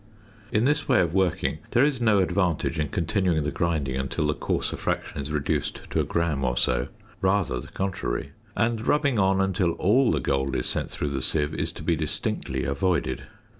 In this way of working there is no advantage in continuing the grinding until the coarser fraction is reduced to a gram or so rather the contrary; and rubbing on until all the gold is sent through the sieve is to be distinctly avoided.